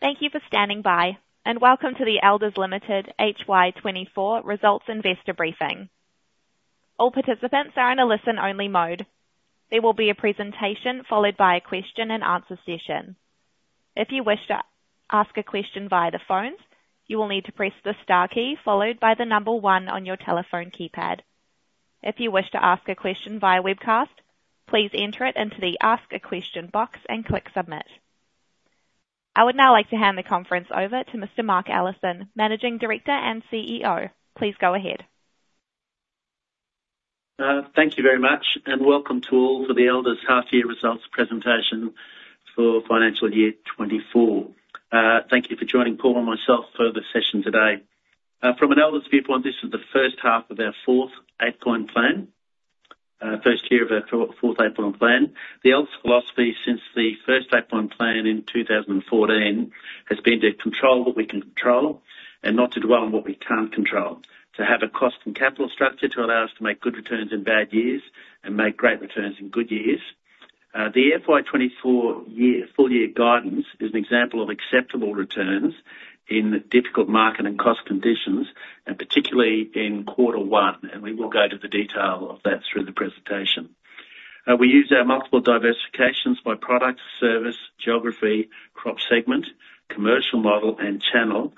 Thank you for standing by, and welcome to the Elders Limited HY 2024 results investor briefing. All participants are in a listen-only mode. There will be a presentation, followed by a question-and-answer session. If you wish to ask a question via the phone, you will need to press the star key, followed by the number one on your telephone keypad. If you wish to ask a question via webcast, please enter it into the Ask a Question box and click Submit. I would now like to hand the conference over to Mr. Mark Allison, Managing Director and CEO. Please go ahead. Thank you very much, and welcome to all to the Elders half year results presentation for financial year 2024. Thank you for joining Paul and myself for the session today. From an Elders viewpoint, this is the first half of our 4th Eight-Point Plan, first year of our 4th Eight-Point Plan. The Elders philosophy since the 1st Eight-Point Plan in 2014, has been to control what we can control and not to dwell on what we can't control. To have a cost and capital structure, to allow us to make good returns in bad years and make great returns in good years. The FY24 year, full-year guidance is an example of acceptable returns in difficult market and cost conditions, and particularly in quarter one, and we will go to the detail of that through the presentation. We use our multiple diversifications by product, service, geography, crop segment, commercial model, and channel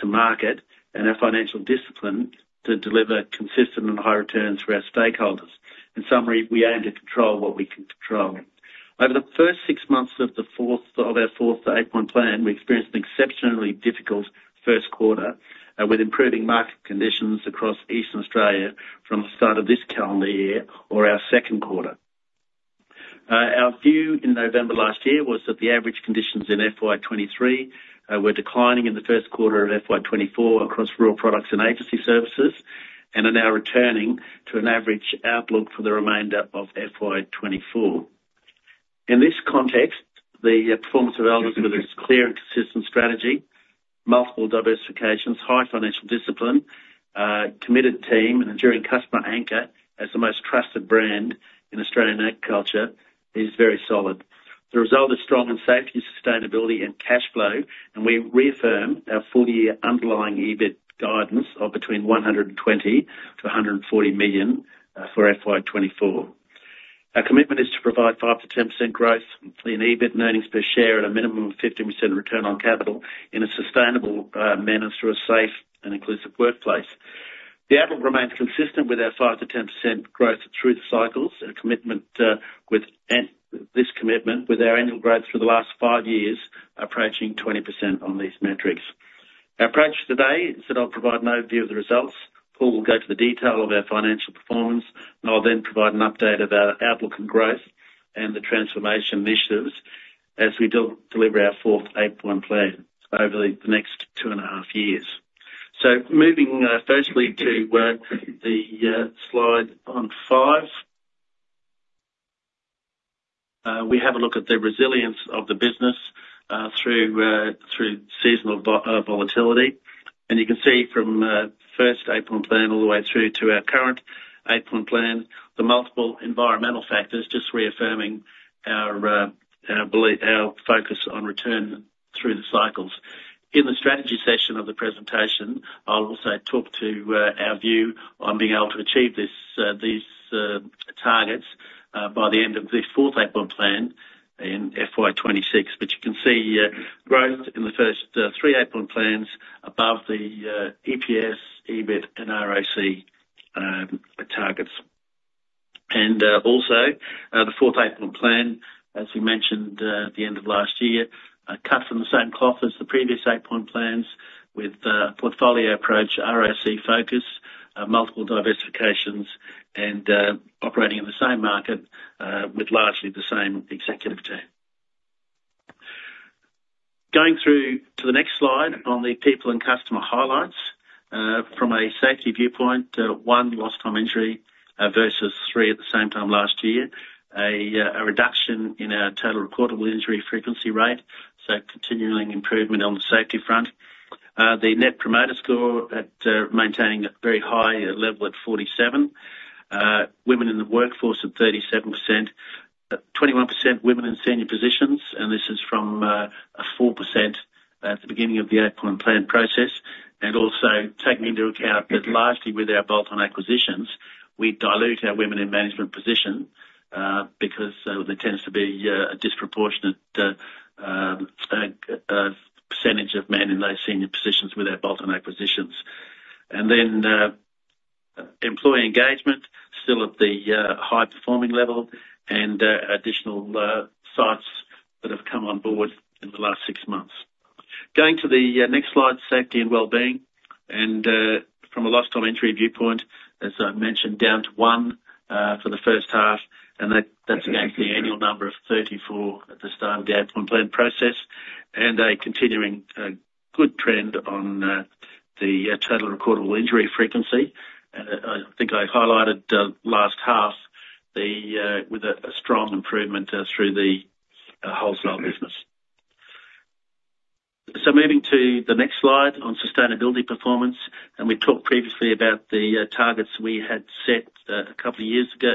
to market and our financial discipline to deliver consistent and high returns for our stakeholders. In summary, we aim to control what we can control. Over the first six months of the 4th, of our 4th Eight-Point Plan, we experienced an exceptionally difficult first quarter with improving market conditions across Eastern Australia from the start of this calendar year or our second quarter. Our view in November last year was that the average conditions in FY 2023 were declining in the first quarter of FY 2024 across rural products and agency services, and are now returning to an average outlook for the remainder of FY 2024. In this context, the performance of Elders with its clear and consistent strategy, multiple diversifications, high financial discipline, committed team, and enduring customer anchor, as the most trusted brand in Australian agriculture, is very solid. The result is strong in safety, sustainability, and cash flow, and we reaffirm our full-year underlying EBIT guidance of between 120 million and 140 million for FY 2024. Our commitment is to provide 5%-10% growth in EBIT and earnings per share at a minimum of 50% return on capital in a sustainable manner through a safe and inclusive workplace. The outlook remains consistent with our 5%-10% growth through the cycles, and a commitment with this commitment with our annual growth for the last 5 years, approaching 20% on these metrics. Our approach today is that I'll provide an overview of the results. Paul will go to the detail of our financial performance, and I'll then provide an update of our outlook and growth and the transformation initiatives as we deliver our 4th Eight-Point Plan over the next two and a half years. Moving firstly to the slide on 5. We have a look at the resilience of the business through seasonal volatility. You can see from 1st Eight-Point Plan all the way through to our current Eight-Point Plan, the multiple environmental factors, just reaffirming our belief, our focus on return through the cycles. In the strategy session of the presentation, I'll also talk to our view on being able to achieve this these targets by the end of this 4th Eight-Point Plan in FY26. But you can see growth in the first three Eight-Point Plans above the EPS, EBIT, and ROC targets. And also the 4th Eight-Point Plan, as we mentioned at the end of last year, cut from the same cloth as the previous Eight-Point Plans with a portfolio approach, ROC focus, multiple diversifications, and operating in the same market with largely the same executive team. Going through to the next slide on the people and customer highlights. From a safety viewpoint, one Lost Time Injury versus three at the same time last year. A reduction in our total recordable injury frequency rate, so continual improvement on the safety front. The Net Promoter Score at maintaining a very high level at 47. Women in the workforce at 37%. 21% women in senior positions, and this is from a 4% at the beginning of the Eight-Point Plan process. And also taking into account that largely with our bolt-on acquisitions, we dilute our women in management position because there tends to be a disproportionate percentage of men in those senior positions with our bolt-on acquisitions. And then employee engagement, still at the high-performing level and additional sites that have come on board in the last six months. Going to the next slide, safety and wellbeing, and from a lost time injury viewpoint, as I mentioned, down to one for the first half, and that's against the annual number of 34 at the start of the Eight-Point Plan process, and a continuing good trend on the total recordable injury frequency. I think I highlighted last half with a strong improvement through the wholesale business. So moving to the next slide on sustainability performance, and we talked previously about the targets we had set a couple of years ago.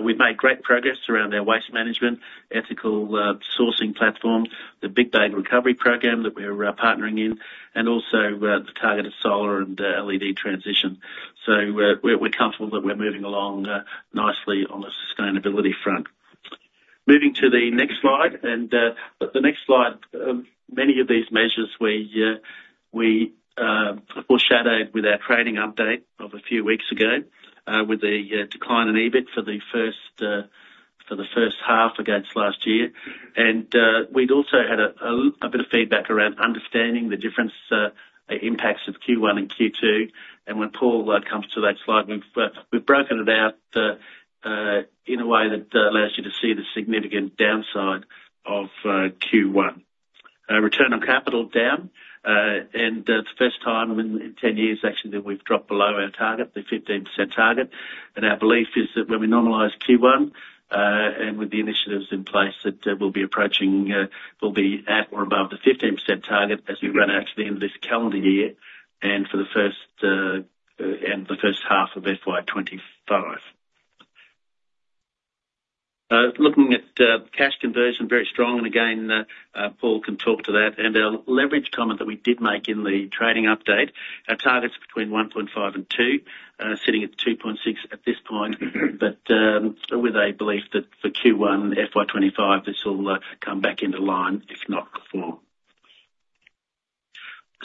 We've made great progress around our waste management, ethical sourcing platform, the Big Bag Recovery Program that we're partnering in, and also the targeted solar and LED transition. So, we're comfortable that we're moving along nicely on the sustainability front. Moving to the next slide, and the next slide, many of these measures we foreshadowed with our trading update of a few weeks ago, with the decline in EBIT for the first half against last year. And we'd also had a bit of feedback around understanding the difference impacts of Q1 and Q2. And when Paul comes to that slide, we've broken it out in a way that allows you to see the significant downside of Q1. Our return on capital down, and the first time in 10 years, actually, that we've dropped below our target, the 15% target. Our belief is that when we normalize Q1, and with the initiatives in place, that we'll be approaching, we'll be at or above the 15% target as we run out to the end of this calendar year, and for the first half of FY 2025. Looking at cash conversion, very strong, and again, Paul can talk to that. And our leverage comment that we did make in the trading update, our target's between 1.5 and 2, sitting at 2.6 at this point, but with a belief that for Q1 FY25, this will come back into line, if not before.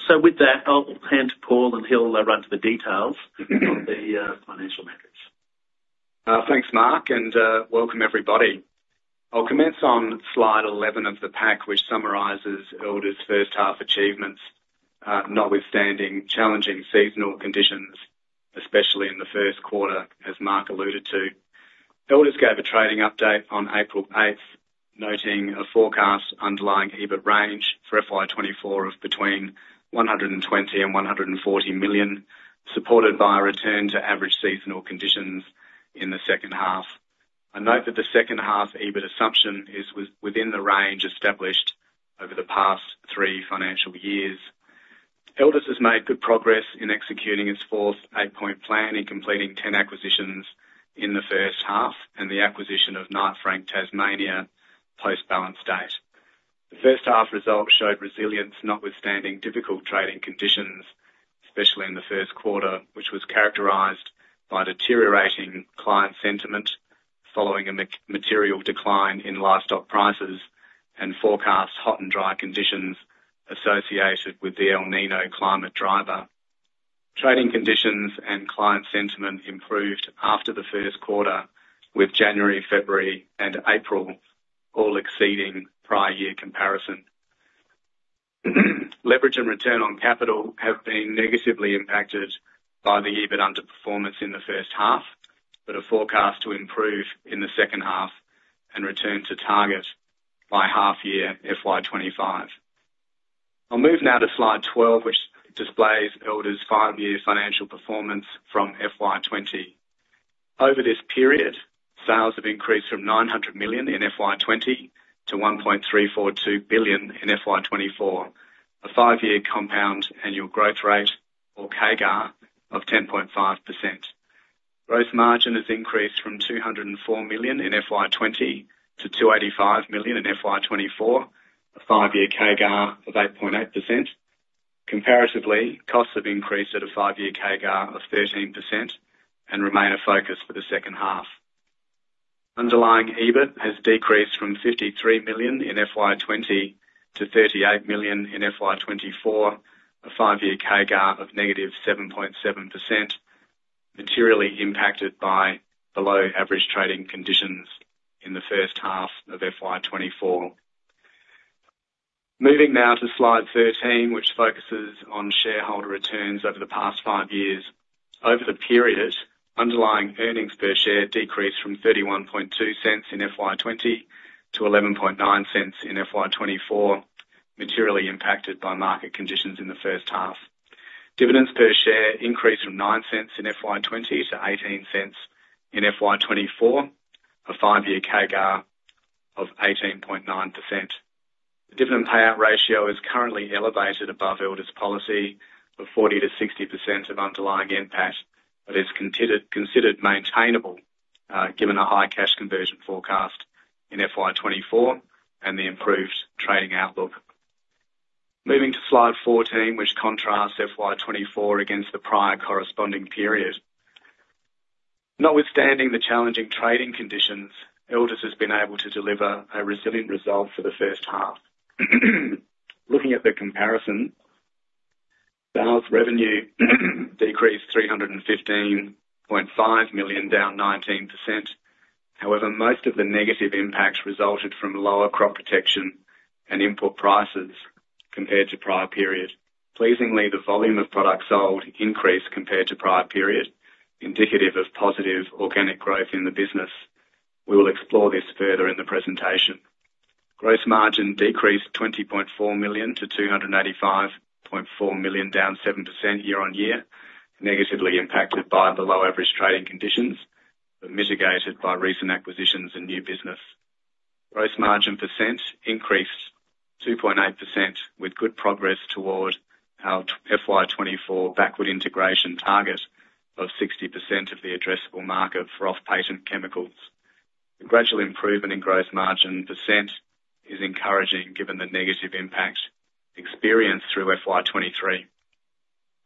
So with that, I'll hand to Paul, and he'll run through the details of the financial metrics. Thanks, Mark, and welcome, everybody. I'll commence on slide 11 of the pack, which summarizes Elders' first half achievements, notwithstanding challenging seasonal conditions, especially in the first quarter, as Mark alluded to. Elders gave a trading update on April 8th, noting a forecast underlying EBIT range for FY 2024 of between 120 million and 140 million, supported by a return to average seasonal conditions in the second half. I note that the second half EBIT assumption is within the range established over the past three financial years. Elders has made good progress in executing its 4th Eight-Point Plan in completing 10 acquisitions in the first half, and the acquisition of Knight Frank Tasmania post balance date. The first half results showed resilience notwithstanding difficult trading conditions, especially in the first quarter, which was characterized by deteriorating client sentiment following a material decline in livestock prices and forecast hot and dry conditions associated with the El Niño climate driver. Trading conditions and client sentiment improved after the first quarter, with January, February, and April all exceeding prior year comparison. Leverage and return on capital have been negatively impacted by the EBIT underperformance in the first half, but are forecast to improve in the second half and return to target by half year FY 2025. I'll move now to slide 12, which displays Elders' five-year financial performance from FY 2020. Over this period, sales have increased from 900 million in FY 2020 to 1.342 billion in FY 2024, a five-year compound annual growth rate, or CAGR, of 10.5%. Gross margin has increased from 204 million in FY 2020 to 285 million in FY 2024, a 5-year CAGR of 8.8%. Comparatively, costs have increased at a 5-year CAGR of 13% and remain a focus for the second half. Underlying EBIT has decreased from 53 million in FY 2020 to 38 million in FY 2024, a 5-year CAGR of -7.7%, materially impacted by below average trading conditions in the first half of FY 2024. Moving now to slide 13, which focuses on shareholder returns over the past 5 years. Over the period, underlying earnings per share decreased from 0.312 in FY 2020 to 0.119 in FY 2024, materially impacted by market conditions in the first half. Dividends per share increased from 0.09 in FY 2020 to 0.18 in FY 2024, a 5-year CAGR of 18.9%. The dividend payout ratio is currently elevated above Elders' policy of 40%-60% of underlying NPAT, but is considered maintainable, given a high cash conversion forecast in FY 2024, and the improved trading outlook. Moving to slide 14, which contrasts FY 2024 against the prior corresponding period. Notwithstanding the challenging trading conditions, Elders has been able to deliver a resilient result for the first half. Looking at the comparison, sales revenue decreased 315.5 million, down 19%. However, most of the negative impacts resulted from lower crop protection and input prices compared to prior period. Pleasingly, the volume of products sold increased compared to prior period, indicative of positive organic growth in the business. We will explore this further in the presentation. Gross margin decreased 20.4 million to 285.4 million, down 7% year-on-year, negatively impacted by the low average trading conditions, but mitigated by recent acquisitions and new business. Gross margin percent increased 2.8%, with good progress toward our FY 2024 backward integration target of 60% of the addressable market for off-patent chemicals. The gradual improvement in gross margin percent is encouraging, given the negative impact experienced through FY 2023.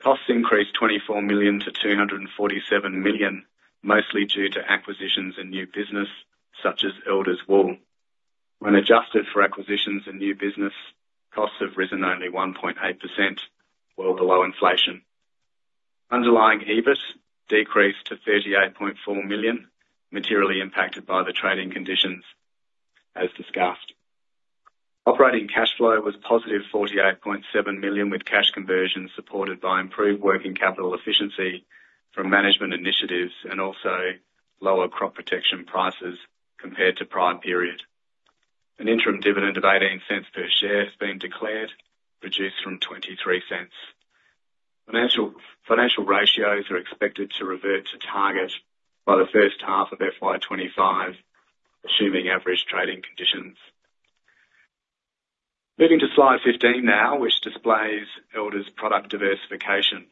Costs increased 24 million to 247 million, mostly due to acquisitions and new business such as Elders Wool. When adjusted for acquisitions and new business, costs have risen only 1.8%, well below inflation. Underlying EBIT decreased to 38.4 million, materially impacted by the trading conditions, as discussed. Operating cash flow was positive 48.7 million, with cash conversion supported by improved working capital efficiency from management initiatives and also lower crop protection prices compared to prior period. An interim dividend of 0.18 per share has been declared, reduced from 0.23. Financial ratios are expected to revert to target by the first half of FY 2025, assuming average trading conditions. Moving to slide 15 now, which displays Elders product diversification.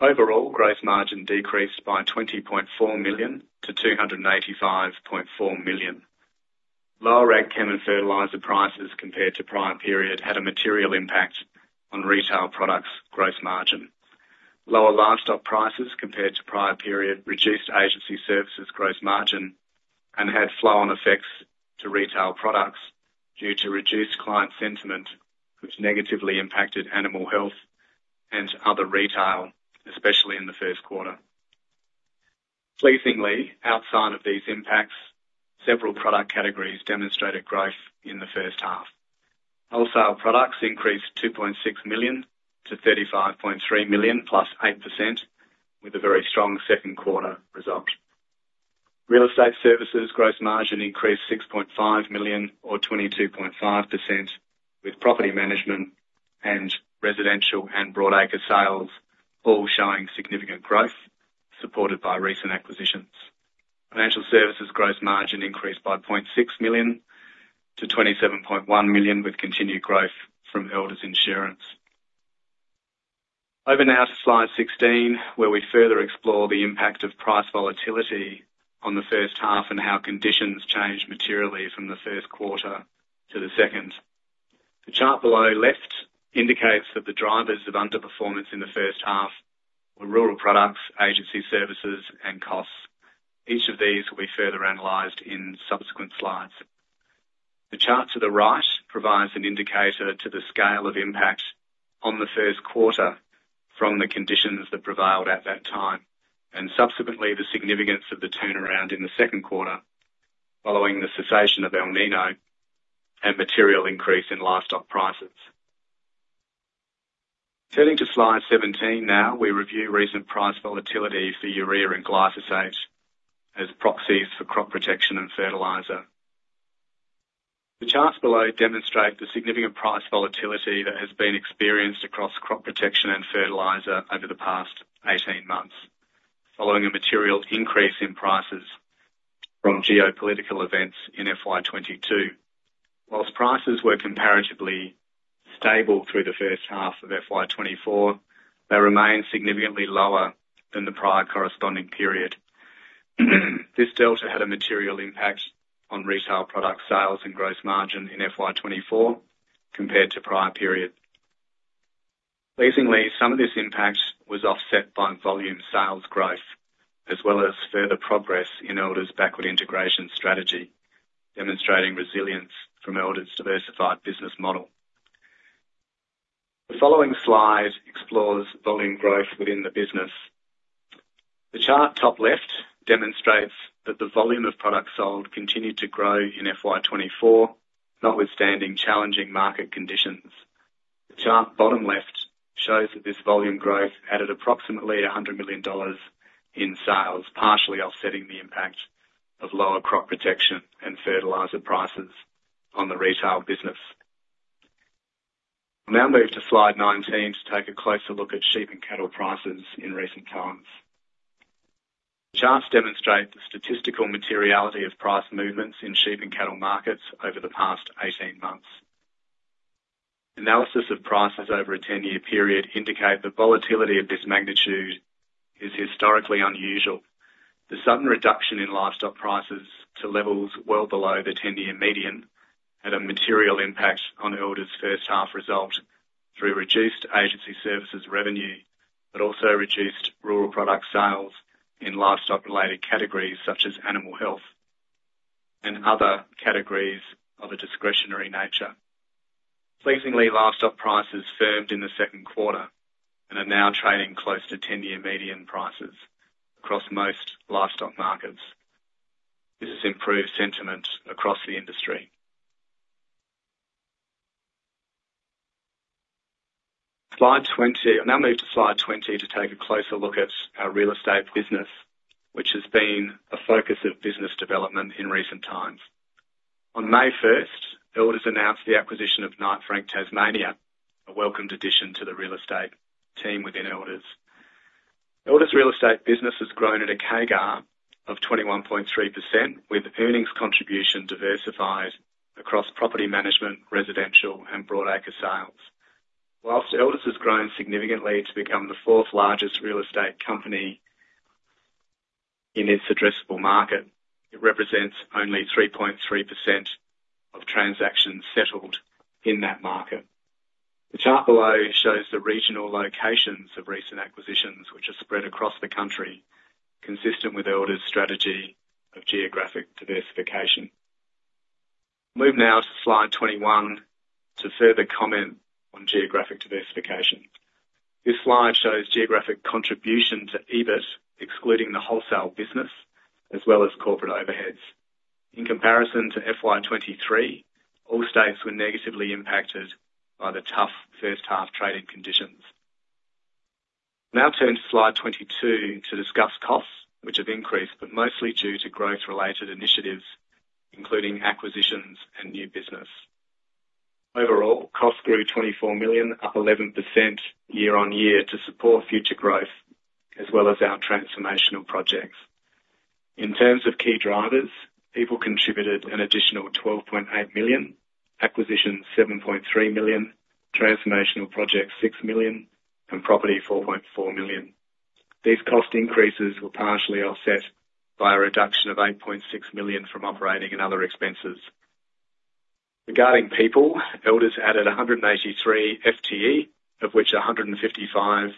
Overall, gross margin decreased by 20.4 million to 285.4 million. Lower ag chem and fertilizer prices compared to prior period had a material impact on retail products' gross margin. Lower livestock prices compared to prior period reduced agency services gross margin and had flow-on effects to retail products due to reduced client sentiment, which negatively impacted animal health and other retail, especially in the first quarter. Pleasingly, outside of these impacts, several product categories demonstrated growth in the first half. Wholesale products increased 2.6 million to 35.3 million, +8%, with a very strong second quarter result. Real estate services gross margin increased 6.5 million or 22.5%, with property management and residential and broad acre sales all showing significant growth, supported by recent acquisitions. Financial services gross margin increased by 0.6 million to 27.1 million, with continued growth from Elders Insurance. Over now to slide 16, where we further explore the impact of price volatility on the first half and how conditions changed materially from the first quarter to the second. The chart below left indicates that the drivers of underperformance in the first half were rural products, agency services, and costs. Each of these will be further analyzed in subsequent slides. The chart to the right provides an indicator to the scale of impact on the first quarter from the conditions that prevailed at that time, and subsequently, the significance of the turnaround in the second quarter, following the cessation of El Niño and material increase in livestock prices. Turning to slide 17 now, we review recent price volatility for urea and glyphosate as proxies for crop protection and fertilizer. The charts below demonstrate the significant price volatility that has been experienced across crop protection and fertilizer over the past 18 months, following a material increase in prices from geopolitical events in FY 2022. While prices were comparatively stable through the first half of FY 2024, they remained significantly lower than the prior corresponding period. This delta had a material impact on retail product sales and gross margin in FY 2024 compared to prior period. Pleasingly, some of this impact was offset by volume sales growth, as well as further progress in Elders' backward integration strategy, demonstrating resilience from Elders' diversified business model. The following slide explores volume growth within the business. The chart, top left, demonstrates that the volume of products sold continued to grow in FY 2024, notwithstanding challenging market conditions. The chart, bottom left, shows that this volume growth added approximately 100 million dollars in sales, partially offsetting the impact of lower crop protection and fertilizer prices on the retail business. We now move to slide 19 to take a closer look at sheep and cattle prices in recent times. Charts demonstrate the statistical materiality of price movements in sheep and cattle markets over the past 18 months. Analysis of prices over a 10-year period indicate that volatility of this magnitude is historically unusual. The sudden reduction in livestock prices to levels well below the ten-year median had a material impact on Elders' first half result through reduced agency services revenue, but also reduced rural product sales in livestock-related categories, such as animal health and other categories of a discretionary nature. Pleasingly, livestock prices firmed in the second quarter and are now trading close to ten-year median prices across most livestock markets. This has improved sentiment across the industry. Slide 20. I'll now move to slide 20 to take a closer look at our real estate business, which has been a focus of business development in recent times. On May 1, Elders announced the acquisition of Knight Frank Tasmania, a welcomed addition to the real estate team within Elders. Elders' real estate business has grown at a CAGR of 21.3%, with earnings contribution diversified across property management, residential, and broadacre sales. While Elders has grown significantly to become the fourth largest real estate company in its addressable market, it represents only 3.3% of transactions settled in that market. The chart below shows the regional locations of recent acquisitions, which are spread across the country, consistent with Elders' strategy of geographic diversification. Move now to slide 21 to further comment on geographic diversification. This slide shows geographic contribution to EBIT, excluding the wholesale business as well as corporate overheads. In comparison to FY 2023, all states were negatively impacted by the tough first half trading conditions. Now turn to slide 22 to discuss costs, which have increased, but mostly due to growth-related initiatives, including acquisitions and new business. Overall, costs grew 24 million, up 11% year-on-year, to support future growth as well as our transformational projects. In terms of key drivers, people contributed an additional 12.8 million, acquisitions, 7.3 million, transformational projects, 6 million, and property, 4.4 million. These cost increases were partially offset by a reduction of 8.6 million from operating and other expenses. Regarding people, Elders added 183 FTE, of which 155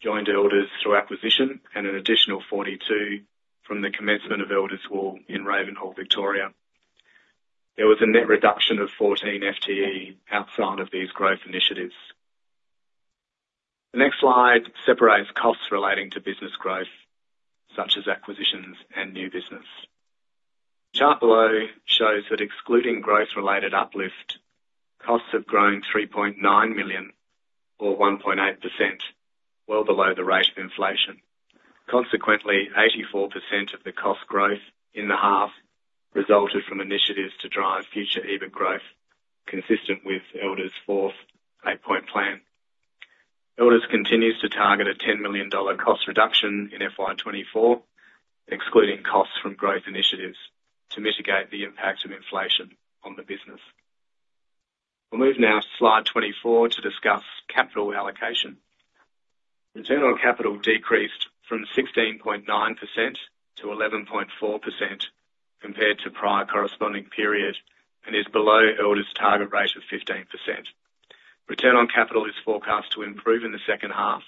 joined Elders through acquisition and an additional 42 from the commencement of Elders Wool in Ravenhall, Victoria. There was a net reduction of 14 FTE outside of these growth initiatives. The next slide separates costs relating to business growth, such as acquisitions and new business. The chart below shows that excluding growth-related uplift, costs have grown 3.9 million, or 1.8%, well below the rate of inflation. Consequently, 84% of the cost growth in the half resulted from initiatives to drive future EBIT growth, consistent with Elders' 4th Eight-Point Plan. Elders continues to target a 10 million dollar cost reduction in FY 2024, excluding costs from growth initiatives to mitigate the impact of inflation on the business. We'll move now to slide 24 to discuss capital allocation. Return on capital decreased from 16.9% to 11.4% compared to prior corresponding period and is below Elders' target rate of 15%. Return on capital is forecast to improve in the second half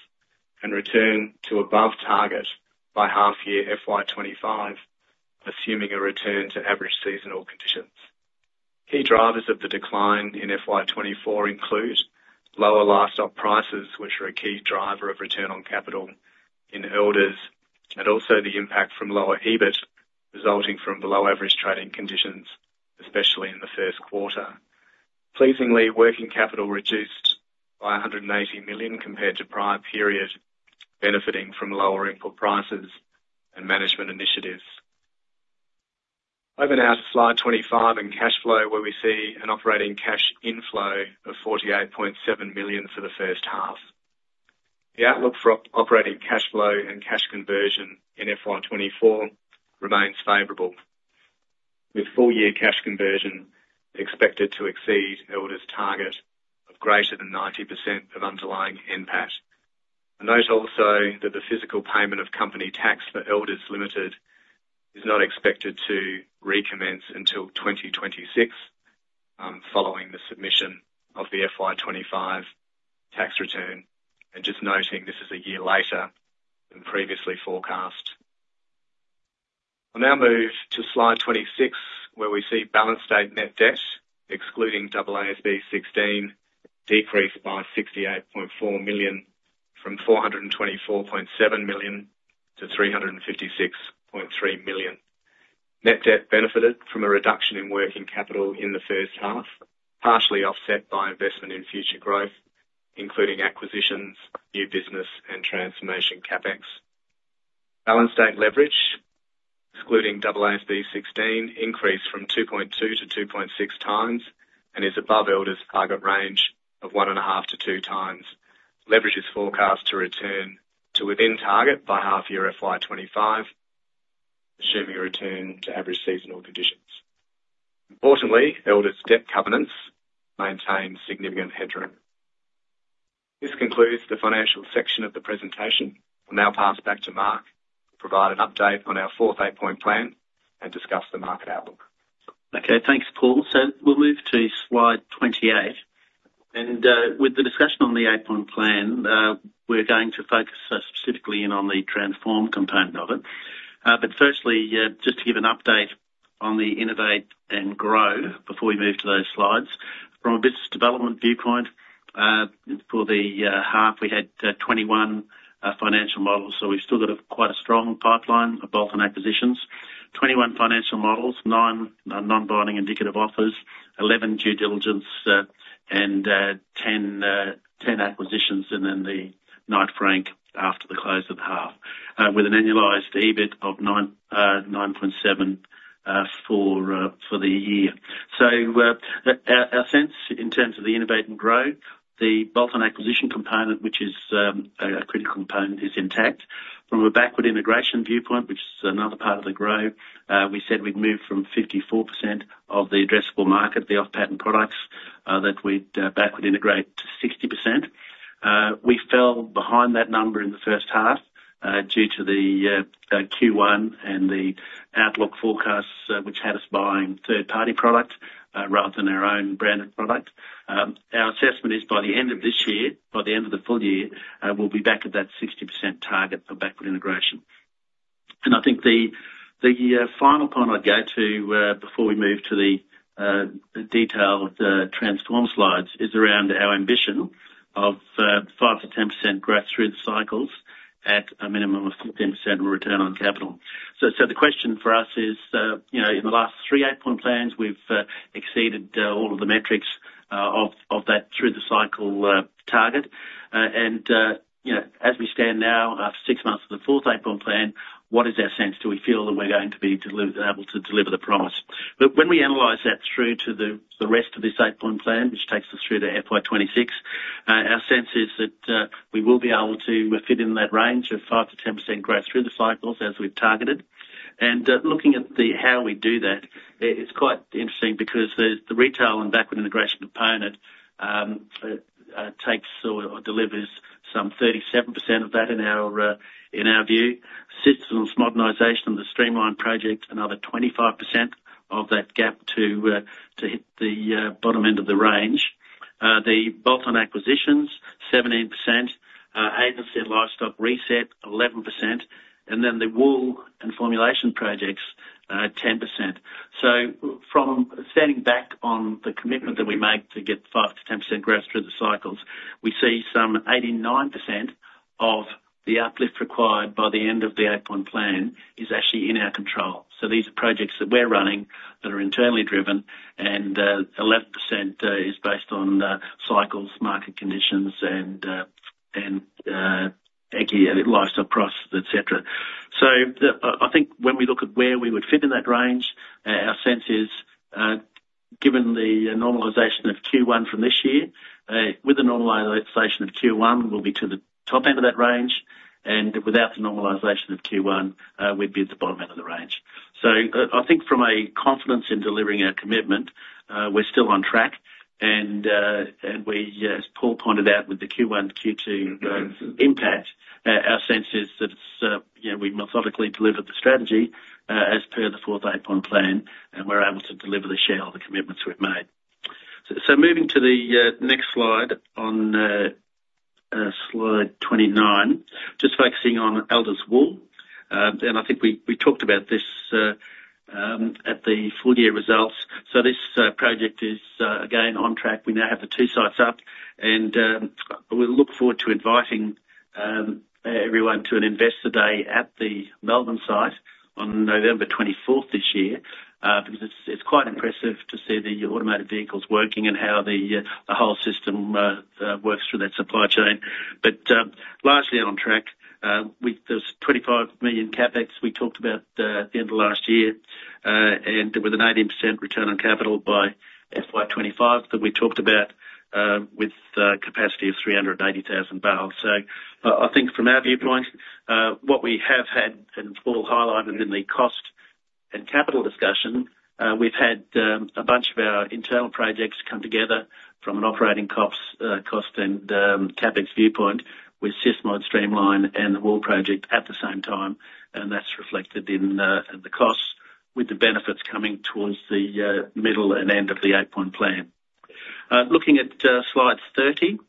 and return to above target by half year FY 2025, assuming a return to average seasonal conditions. Key drivers of the decline in FY24 include lower livestock prices, which are a key driver of return on capital in Elders, and also the impact from lower EBIT resulting from below average trading conditions, especially in the first quarter. Pleasingly, working capital reduced by 180 million compared to prior period, benefiting from lower input prices and management initiatives. Over now to slide 25 in cash flow, where we see an operating cash inflow of 48.7 million for the first half. The outlook for operating cash flow and cash conversion in FY 2024 remains favorable, with full year cash conversion expected to exceed Elders' target of greater than 90% of underlying NPAT. Note also that the physical payment of company tax for Elders Limited is not expected to recommence until 2026, following the submission of the FY25 tax return, and just noting this is a year later than previously forecast. I'll now move to slide 26, where we see balance date net debt, excluding AASB 16, decreased by 68.4 million, from 424.7 million to 356.3 million. Net debt benefited from a reduction in working capital in the first half, partially offset by investment in future growth, including acquisitions, new business, and transformation CapEx. Balance date leverage, excluding AASB 16, increased from 2.2x to 2.6x and is above Elders' target range of 1.5x-2x. Leverage is forecast to return to within target by half year FY 2025, assuming a return to average seasonal conditions. Importantly, Elders' debt covenants maintain significant headroom. This concludes the financial section of the presentation. I'll now pass back to Mark to provide an update on our 4th Eight-Point Plan and discuss the market outlook. Okay, thanks, Paul. We'll move to slide 28, and with the discussion on the Eight-Point Plan, we're going to focus specifically in on the transform component of it. But firstly, just to give an update on the innovate and grow before we move to those slides. From a business development viewpoint, for the half, we had 21 financial models, so we've still got quite a strong pipeline of both on acquisitions. 21 financial models, 9 non-binding indicative offers, 11 due diligence, and 10 acquisitions, and then the Knight Frank after the close of the half. With an annualized EBIT of 9.7 for the year. So, our sense, in terms of the innovate and grow, the bolt-on acquisition component, which is a critical component, is intact. From a backward integration viewpoint, which is another part of the grow, we said we'd move from 54% of the addressable market, the off-patent products, that we'd backward integrate to 60%. We fell behind that number in the first half, due to the Q1 and the outlook forecasts, which had us buying third-party product, rather than our own branded product. Our assessment is by the end of this year, by the end of the full year, we'll be back at that 60% target for backward integration. I think the final point I'd go to, before we move to the detail of the transform slides, is around our ambition of 5%-10% growth through the cycles at a minimum of 10% return on capital. So, the question for us is, you know, in the last three Eight-Point Plans, we've exceeded all of the metrics of that through-the-cycle target. And you know, as we stand now, six months of the 4th Eight-Point Plan, what is our sense? Do we feel that we're going to be able to deliver the promise? But when we analyze that through to the rest of this Eight-Point Plan, which takes us through to FY 2026, our sense is that we will be able to fit in that range of 5%-10% growth through the cycles, as we've targeted. And looking at how we do that, it's quite interesting, because the retail and backward integration component takes or delivers some 37% of that in our view. Systems modernization and the Streamline project, another 25% of that gap to hit the bottom end of the range. The bolt-on acquisitions, 17%, agency and livestock reset, 11%, and then the wool and formulation projects, 10%. So from standing back on the commitment that we make to get 5%-10% growth through the cycles, we see some 89% of the uplift required by the end of the Eight-Point Plan is actually in our control. So these are projects that we're running, that are internally driven, and 11% is based on cycles, market conditions, and agri and livestock prices, et cetera. So I think when we look at where we would fit in that range, our sense is, given the normalization of Q1 from this year, with the normalization of Q1, we'll be to the top end of that range, and without the normalization of Q1, we'd be at the bottom end of the range. So, I think from a confidence in delivering our commitment, we're still on track, and we, as Paul pointed out, with the Q1, Q2 impact, our sense is that you know, we methodically delivered the strategy, as per the 4th Eight-Point Plan, and we're able to deliver the share of the commitments we've made. So moving to the next slide, on slide 29, just focusing on Elders Wool. And I think we talked about this at the full year results. So this project is again on track. We now have the two sites up, and we look forward to inviting everyone to an investor day at the Melbourne site on November 24th this year. Because it's, it's quite impressive to see the automated vehicles working and how the whole system works through that supply chain. But, largely on track, there's 25 million CapEx we talked about, at the end of last year, and with an 18% return on capital by FY25, that we talked about, with, capacity of 380,000 barrels. So I, I think from our viewpoint, what we have had, and Paul highlighted in the cost and capital discussion, we've had, a bunch of our internal projects come together from an operating cost, cost and, CapEx viewpoint, with SysMod streamline and the Wool project at the same time, and that's reflected in, the costs, with the benefits coming towards the, middle and end of the Eight-Point Plan. Looking at slide 30,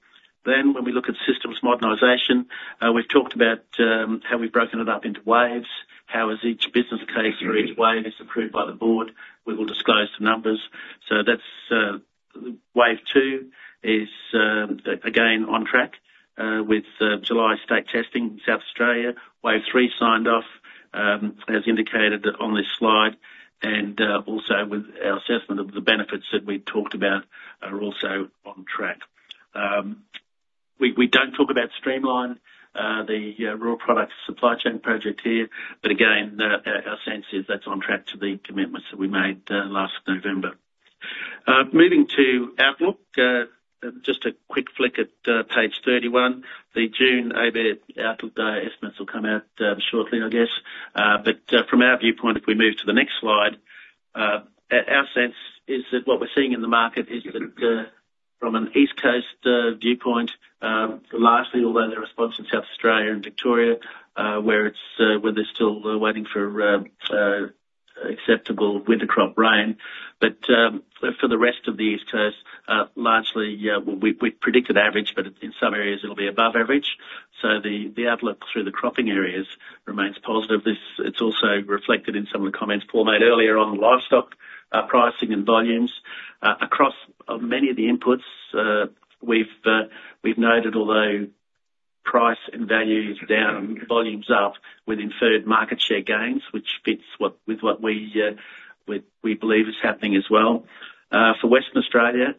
then when we look at systems modernization, we've talked about how we've broken it up into waves. How, as each business case for each wave is approved by the board, we will disclose the numbers. So that's wave two is again on track with July state testing, South Australia. Wave three, signed off, as indicated on this slide, and also with our assessment of the benefits that we've talked about, are also on track. We don't talk about streamline, the rural products supply chain project here, but again, our sense is that's on track to the commitments that we made last November. Moving to outlook, just a quick flick at page 31. The June ABARES outlook estimates will come out shortly, I guess. But from our viewpoint, if we move to the next slide, our sense is that what we're seeing in the market is that from an East Coast viewpoint, largely, although the response in South Australia and Victoria, where it's where they're still waiting for acceptable winter crop rain. But for the rest of the East Coast, largely, we predicted average, but in some areas it'll be above average. So the outlook through the cropping areas remains positive. This... It's also reflected in some of the comments Paul made earlier on livestock pricing and volumes. Across many of the inputs, we've noted, although price and value is down, volume's up, with inferred market share gains, which fits what, with what we believe is happening as well. For Western Australia,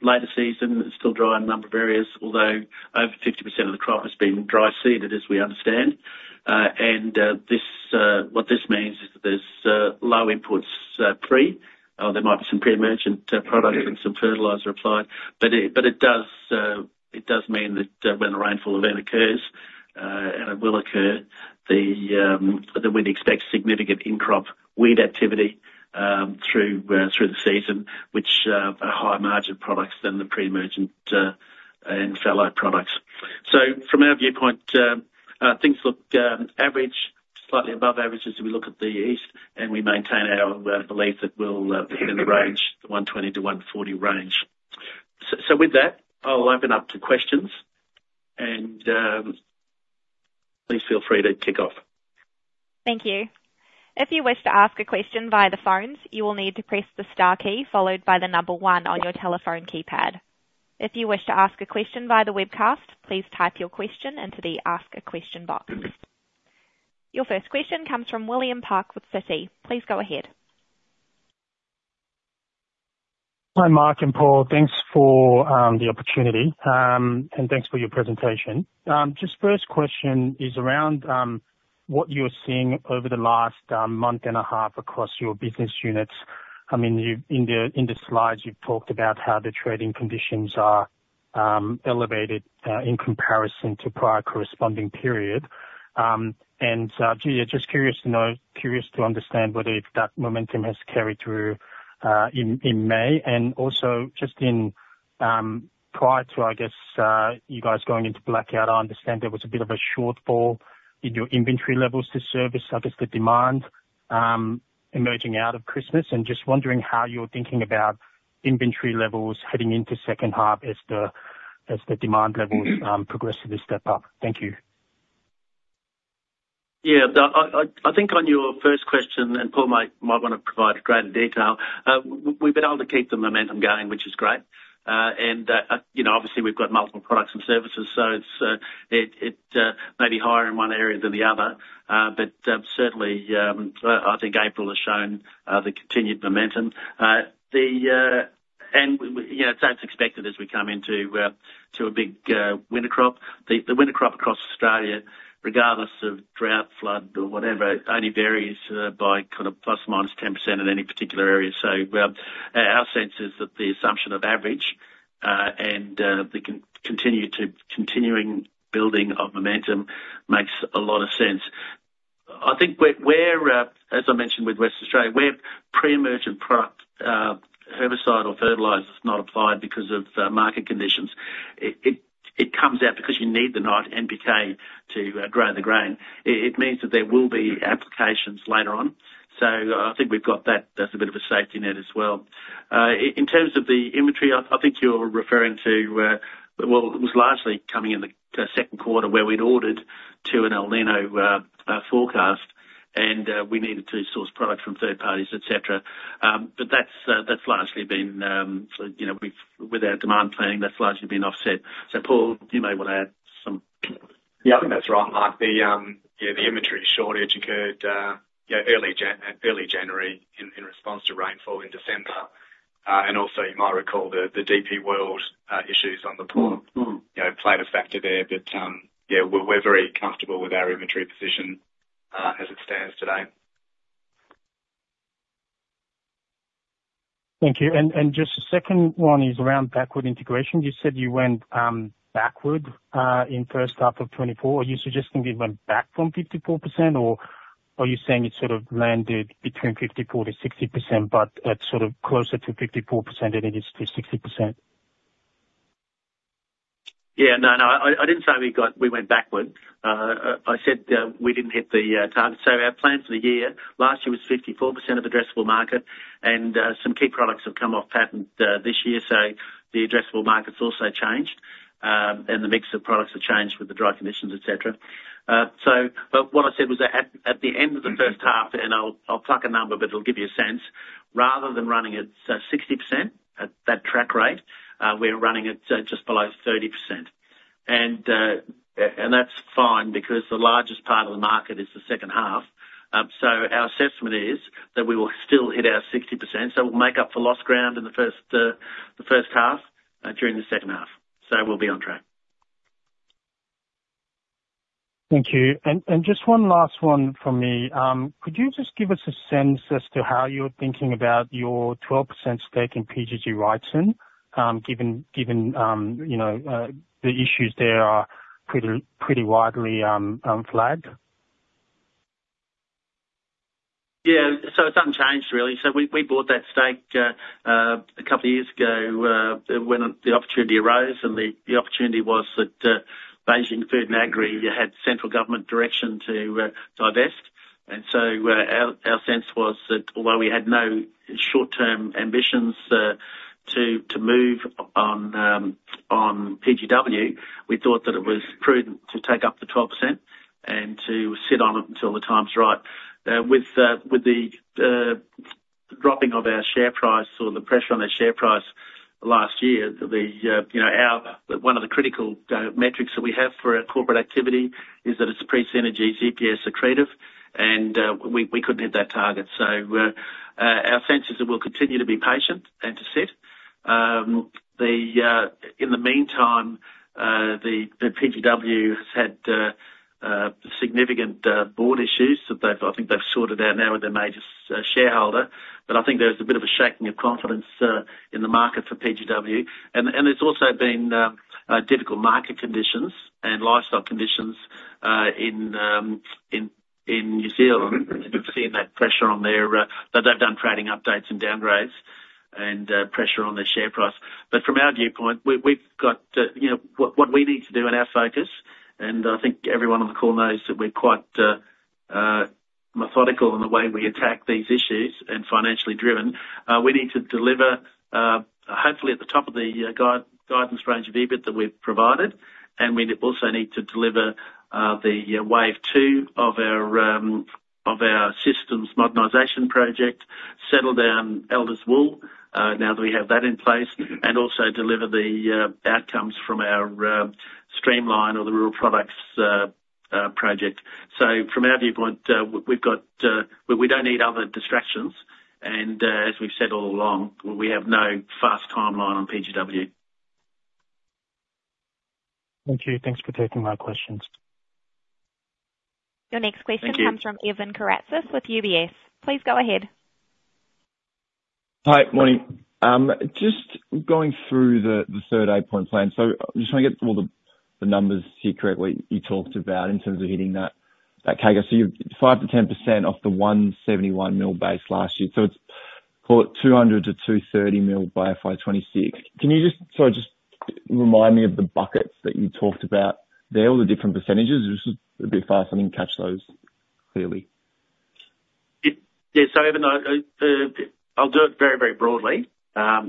later season is still dry in a number of areas, although over 50% of the crop has been dry seeded, as we understand. And this, what this means is that there's low inputs, pre- there might be some pre-emergent product and some fertilizer applied, but it, but it does, it does mean that, when the rainfall event occurs, and it will occur, the, that we'd expect significant in-crop weed activity, through the season, which are higher margin products than the pre-emergent and fallow products. So from our viewpoint, things look average, slightly above average as we look at the east, and we maintain our belief that we'll be in the range, the 120-140 range. So, with that, I'll open up to questions, and please feel free to kick off. Thank you. If you wish to ask a question via the phones, you will need to press the star key, followed by the number one on your telephone keypad. If you wish to ask a question via the webcast, please type your question into the Ask A Question box. Your first question comes from William Park with Citi. Please go ahead. Hi, Mark and Paul. Thanks for the opportunity, and thanks for your presentation. Just first question is around what you're seeing over the last month and a half across your business units. I mean, you've... In the slides, you've talked about how the trading conditions are elevated in comparison to prior corresponding period. And gee, I'm just curious to know, curious to understand whether if that momentum has carried through in May. And also just prior to, I guess, you guys going into blackout, I understand there was a bit of a shortfall in your inventory levels to service, I guess, the demand emerging out of Christmas. And just wondering how you're thinking about inventory levels heading into second half as the demand levels progressively step up. Thank you. Yeah, I think on your first question, and Paul might want to provide greater detail. We've been able to keep the momentum going, which is great. You know, obviously we've got multiple products and services, so it may be higher in one area than the other. But certainly, I think April has shown the continued momentum. You know, so it's expected as we come into to a big winter crop. The winter crop across Australia, regardless of drought, flood, or whatever, only varies by kind of ±10% in any particular area. Our sense is that the assumption of average and the continuing building of momentum makes a lot of sense. I think where, as I mentioned, with Western Australia, where pre-emergent product, herbicide or fertilizer is not applied because of market conditions, it comes out because you need the NPK to grow the grain. It means that there will be applications later on. So I think we've got that as a bit of a safety net as well. In terms of the inventory, I think you're referring to, well, it was largely coming in the second quarter, where we'd ordered to an El Niño forecast, and we needed to source product from third parties, et cetera. But that's largely been, you know, with our demand planning, that's largely been offset. So Paul, you may want to add some. Yeah, I think that's right, Mark. The inventory shortage occurred early January in response to rainfall in December. And also, you might recall the DP World issues on the port- Mm-hmm. -you know, played a factor there. But, yeah, we're, we're very comfortable with our inventory position, as it stands today. Thank you. And just the second one is around backward integration. You said you went backward in first half of 2024. Are you suggesting you went back from 54%, or are you saying it sort of landed between 54%-60%, but it's sort of closer to 54% than it is to 60%? Yeah. No, no, I didn't say we got, we went backward. I said we didn't hit the target. So our plan for the year, last year was 54% of addressable market, and some key products have come off patent this year. So the addressable market's also changed, and the mix of products have changed with the dry conditions, et cetera. So but what I said was that at the end of the first half, and I'll pluck a number, but it'll give you a sense, rather than running at 60%, at that track rate, we're running at just below 30%. And that's fine, because the largest part of the market is the second half. So our assessment is that we will still hit our 60%, so we'll make up for lost ground in the first half during the second half. So we'll be on track. Thank you. And just one last one from me. Could you just give us a sense as to how you're thinking about your 12% stake in PGG Wrightson, given you know, the issues there are pretty widely flagged? Yeah, so it's unchanged, really. So we bought that stake a couple years ago, when the opportunity arose, and the opportunity was that Beijing Food and Agri had central government direction to divest. And so our sense was that although we had no short-term ambitions to move on PGW, we thought that it was prudent to take up the 12% and to sit on it until the time's right. With the dropping of our share price or the pressure on our share price last year, you know, one of the critical metrics that we have for our corporate activity is that it's pre-synergy EPS accretive, and we couldn't hit that target. So our sense is that we'll continue to be patient and to sit. In the meantime, the PGW has had significant board issues that they've, I think they've sorted out now with their major shareholder. But I think there's a bit of a shaking of confidence in the market for PGW. And there's also been difficult market conditions and lifestyle conditions in New Zealand. We've seen that pressure on their. But they've done trading updates and downgrades and pressure on their share price. But from our viewpoint, we've got, you know, what we need to do and our focus, and I think everyone on the call knows that we're quite methodical in the way we attack these issues and financially driven. We need to deliver, hopefully at the top of the guidance range of EBIT that we've provided, and we also need to deliver the wave two of our systems modernization project, settle down Elders Wool now that we have that in place, and also deliver the outcomes from our streamline or the rural products project. So from our viewpoint, we've got... We don't need other distractions, and as we've said all along, we have no fast timeline on PGW. Thank you. Thanks for taking my questions. Thank you. Your next question comes from Evan Karatzas with UBS. Please go ahead. Hi. Morning. Just going through the third Eight-Point Plan. So I'm just trying to get all the numbers here correctly, you talked about in terms of hitting that target. So you're 5%-10% off the 171 million base last year, so it's, well, 200 million-230 million by FY 2026. Can you just, sorry, just remind me of the buckets that you talked about there, all the different percentages? It was just a bit fast. I didn't catch those clearly. Yeah, so even though, the, I'll do it very, very broadly, Yeah.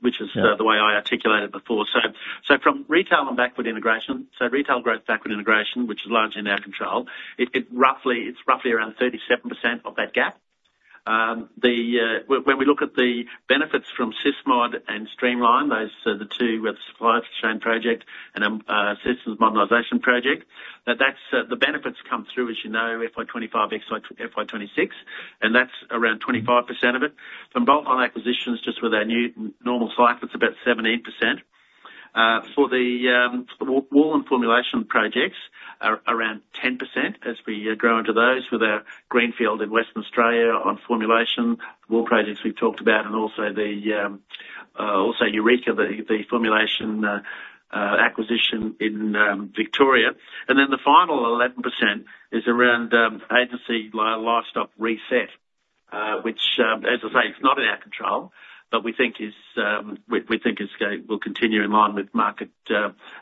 Which is the way I articulated before. So, so from retail and backward integration, so retail growth, backward integration, which is largely in our control, it, it roughly, it's roughly around 37% of that gap. When we look at the benefits from SysMod and Streamline, those are the two, the supply chain project and systems modernization project, now that's the benefits come through, as you know, FY 2025, FY 2026, and that's around 25% of it. From bolt-on acquisitions, just with our new normal cycle, it's about 17%. For the wool and formulation projects, around 10% as we grow into those with our greenfield in Western Australia on formulation. Wool projects we've talked about, and also the also Eureka, the formulation acquisition in Victoria. And then the final 11% is around agency livestock reset, which, as I say, it's not in our control, but we think it will continue in line with market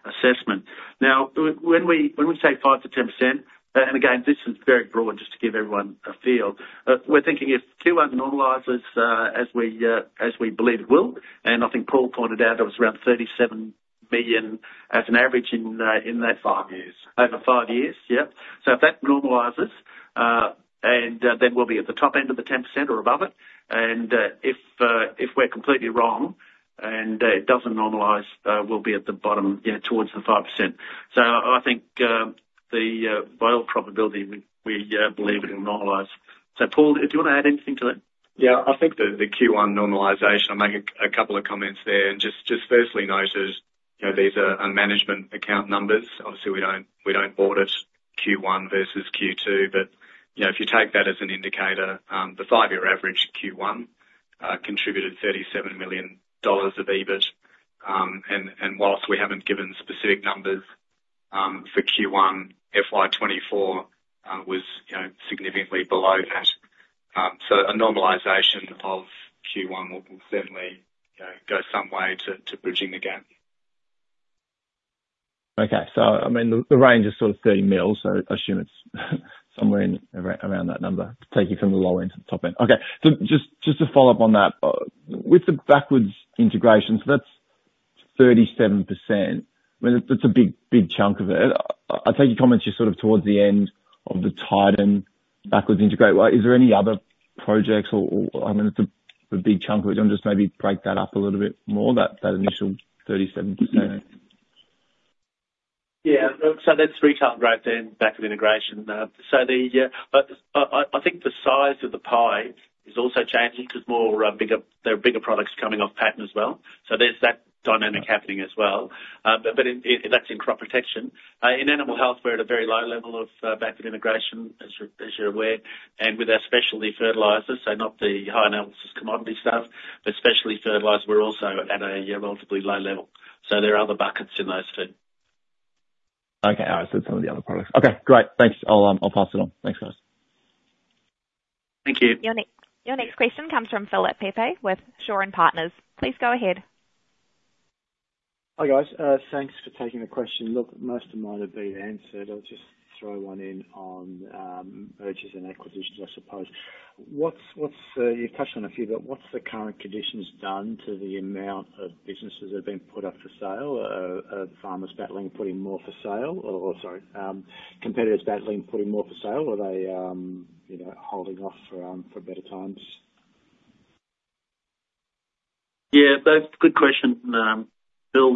assessment. Now, when we say 5%-10%, and again, this is very broad, just to give everyone a feel, we're thinking if Q1 normalizes, as we believe it will, and I think Paul pointed out it was around 37 billion as an average in, in that five years. Over five years, yeah. So if that normalizes, and then we'll be at the top end of the 10% or above it, and if we're completely wrong and it doesn't normalize, we'll be at the bottom, you know, towards the 5%. So I think by all probability we believe it will normalize. So, Paul, do you want to add anything to that? Yeah, I think the Q1 normalization, I'll make a couple of comments there. And just firstly note is, you know, these are management account numbers. Obviously, we don't board it Q1 versus Q2. But, you know, if you take that as an indicator, the five-year average Q1 contributed 37 million dollars of EBIT. And whilst we haven't given specific numbers for Q1, FY 2024 was, you know, significantly below that. So a normalization of Q1 will certainly, you know, go some way to bridging the gap. Okay. So I mean, the range is sort of 30 million, so I assume it's somewhere around that number, taking you from the low end to the top end. Okay. So just to follow up on that with the backward integration, so that's 37%. I mean, that's a big, big chunk of it. I take your comments just sort of towards the end of the Titan backward integration. Well, is there any other projects or, I mean, it's a big chunk of it. Do you want to just maybe break that up a little bit more, that initial 37%? Yeah. So that's retail growth and backward integration. So the size of the pie is also changing because bigger products are coming off patent as well. So there's that dynamic happening as well. But that's in crop protection. In animal health, we're at a very low level of backward integration, as you're aware, and with our specialty fertilizers, so not the high analysis commodity stuff, but specialty fertilizers, we're also at a relatively low level. So there are other buckets in those too. Okay. All right, so some of the other products. Okay, great. Thanks. I'll, I'll pass it on. Thanks, guys. Thank you. Your next, your next question comes from Philip Pepe with Shaw and Partners. Please go ahead. Hi, guys. Thanks for taking the question. Look, most of mine have been answered. I'll just throw one in on mergers and acquisitions, I suppose. You've touched on a few, but what's the current conditions done to the amount of businesses that have been put up for sale? Farmers battling, putting more for sale or sorry, competitors battling, putting more for sale. Are they, you know, holding off for better times? .Yeah, that's a good question, Bill.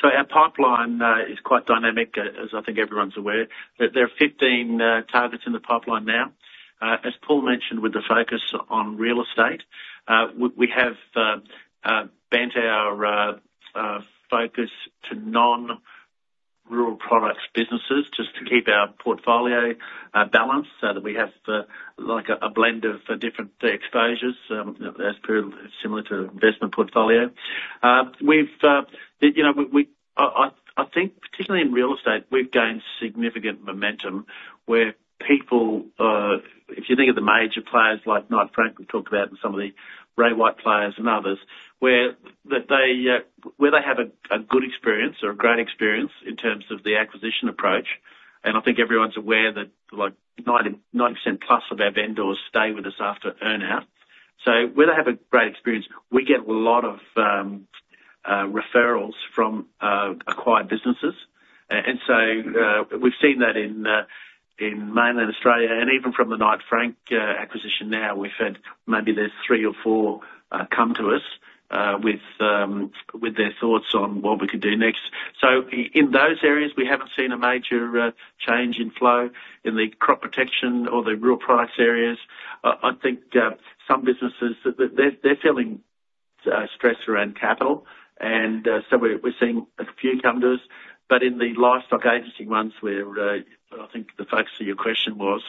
So our pipeline is quite dynamic, as I think everyone's aware. That there are 15 targets in the pipeline now. As Paul mentioned, with the focus on real estate, we have bent our focus to non-rural products businesses, just to keep our portfolio balanced, so that we have like a blend of different exposures, as per similar to investment portfolio. You know, I think particularly in real estate, we've gained significant momentum where people, if you think of the major players like Knight Frank we talked about, and some of the Ray White players and others, where they have a good experience or a great experience in terms of the acquisition approach, and I think everyone's aware that, like, 90%+ of our vendors stay with us after earn-out. So where they have a great experience, we get a lot of referrals from acquired businesses. And so, we've seen that in mainland Australia, and even from the Knight Frank acquisition now, we've had maybe there's 3 or 4 come to us with their thoughts on what we could do next. So in those areas, we haven't seen a major change in flow. In the crop protection or the rural price areas, I think some businesses, they're feeling stress around capital, and so we're seeing a few come to us. But in the livestock agency ones, where I think the focus of your question was,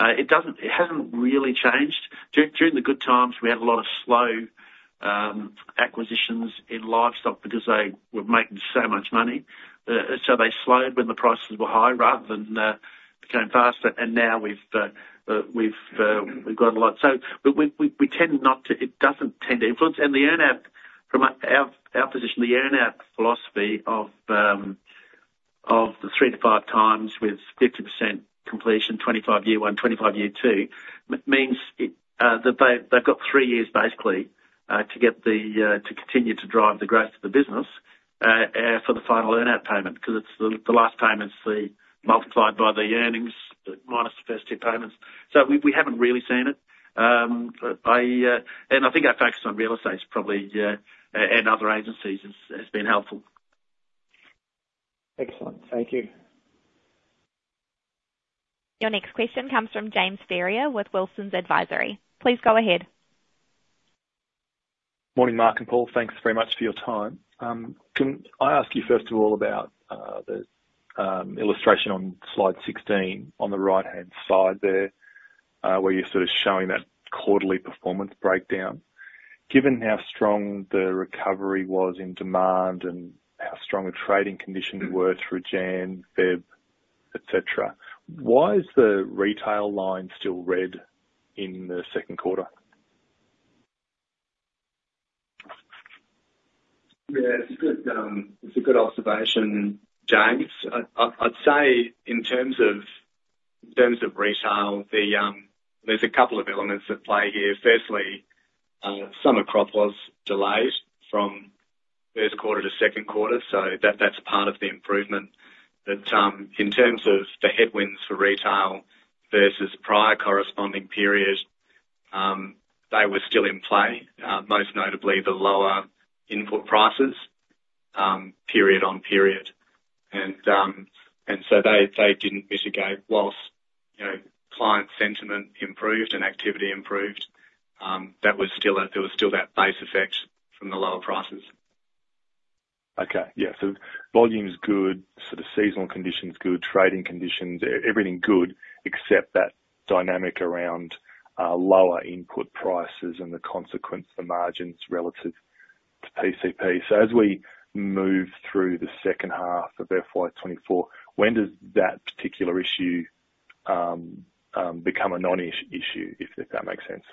it hasn't really changed. During the good times, we had a lot of slow acquisitions in livestock because they were making so much money. So they slowed when the prices were high rather than became faster, and now we've got a lot. So we tend not to. It doesn't tend to influence. The earn-out from our position, the earn-out philosophy of the 3x-5x with 50% completion, 25 year one, 25 year two, means it that they've got 3 years basically to get the to continue to drive the growth of the business for the final earn-out payment, because it's the last payment's the multiplied by the earnings, minus the first two payments. So we haven't really seen it. And I think our focus on real estate is probably and other agencies has been helpful. Excellent. Thank you. Your next question comes from James Ferrier with Wilsons Advisory. Please go ahead. Morning, Mark and Paul. Thanks very much for your time. Can I ask you first of all about the illustration on slide 16, on the right-hand side there, where you're sort of showing that quarterly performance breakdown? Given how strong the recovery was in demand and how strong the trading conditions were through January, February, et cetera, why is the retail line still red in the second quarter? Yeah, it's a good, it's a good observation, James. I'd say in terms of, in terms of retail, the, there's a couple of elements at play here. Firstly, summer crop was delayed from first quarter to second quarter, so that's part of the improvement. But, in terms of the headwinds for retail versus prior corresponding period, they were still in play, most notably the lower input prices, period on period. And, and so they, they didn't mitigate whilst, you know, client sentiment improved and activity improved, that was still there was still that base effect from the lower prices. Okay. Yeah, so volume's good, sort of seasonal conditions good, trading conditions, everything good, except that dynamic around lower input prices and the consequence for margins relative to PCP. So as we move through the second half of FY 2024, when does that particular issue become a non-issue, if that makes sense?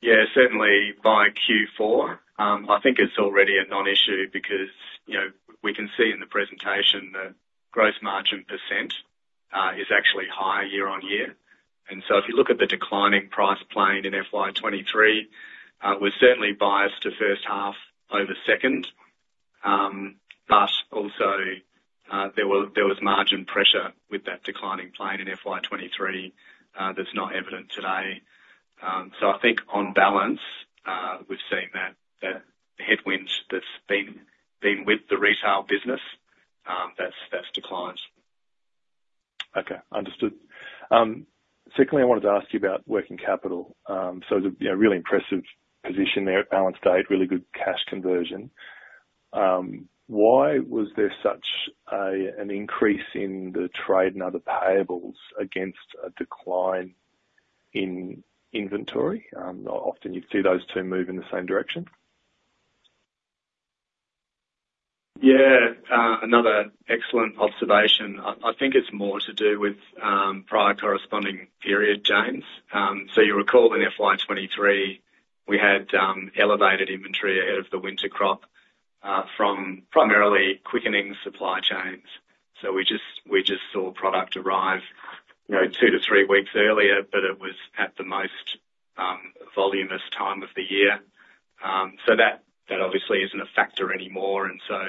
Yeah, certainly by Q4. I think it's already a non-issue because, you know, we can see in the presentation that gross margin % is actually higher year-on-year. And so if you look at the declining price plane in FY 2023, we're certainly biased to first half over second, but also, there was margin pressure with that declining plane in FY 2023, that's not evident today. So I think on balance, we've seen that headwinds that's been with the retail business, that's declined. Okay, understood. Secondly, I wanted to ask you about working capital. So the, you know, really impressive position there at balance date, really good cash conversion. Why was there such an increase in the trade and other payables against a decline in inventory? Often you see those two move in the same direction. Yeah, another excellent observation. I think it's more to do with prior corresponding period, James. So you'll recall in FY 2023, we had elevated inventory ahead of the winter crop from primarily quickening supply chains. So we just saw product arrive, you know, 2-3 weeks earlier, but it was at the most voluminous time of the year. So that obviously isn't a factor anymore, and so...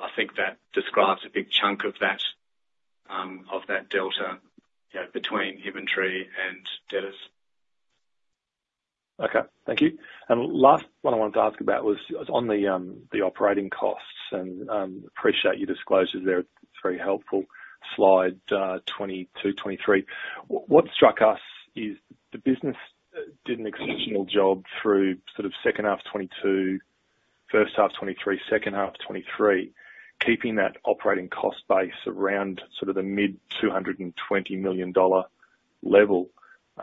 I think that describes a big chunk of that delta, you know, between inventory and debtors. Okay, thank you. And last, what I wanted to ask about was on the operating costs, and appreciate your disclosures there. It's very helpful. Slide 22, 23. What struck us is the business did an exceptional job through sort of second half 2022, first half 2023, second half 2023, keeping that operating cost base around sort of the mid 220 million dollar level,